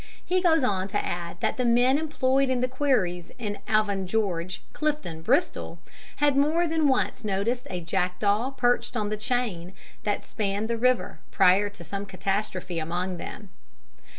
He goes on to add that the men employed in the quarries in the Avon Gorge, Clifton, Bristol, had more than once noticed a jackdaw perched on the chain that spanned the river, prior to some catastrophe among them.